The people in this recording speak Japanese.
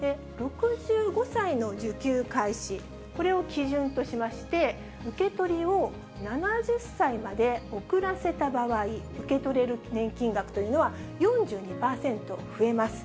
６５歳の受給開始、これを基準としまして、受け取りを７０歳まで遅らせた場合、受け取れる年金額というのは４２％増えます。